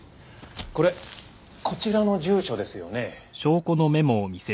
これこちらの住所ですよね？